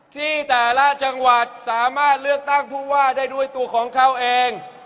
ที่แต่ละจังหวัดสามารถเลือกตั้งผู้ว่าได้ด้วยตัวของเขาเอง